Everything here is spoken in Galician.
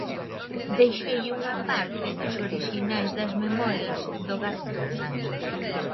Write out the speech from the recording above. Deixeille unha parte dos orixinais das memorias do gato Fernando.